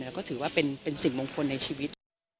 แล้วก็ถือว่าเป็นสิ่งมงคลในชีวิต